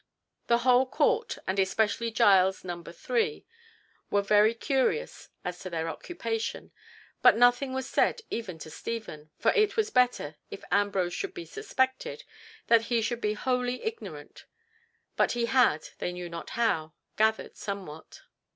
The whole court, and especially Giles number three, were very curious as to their occupation, but nothing was said even to Stephen, for it was better, if Ambrose should be suspected, that he should be wholly ignorant, but he had—they knew not how—gathered somewhat.